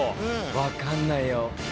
分かんないよ。